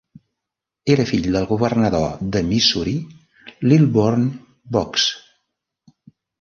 Era fill del governador de Missouri, Lilburn Boggs.